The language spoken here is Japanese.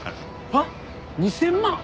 はあ？２０００万！？